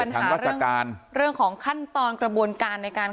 ถ้าเป็นปัญหาเรื่องของขั้นตอนกระบวนการในการ